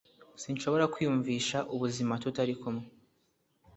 sinshobora kwiyumvisha ubuzima tutari kumwe,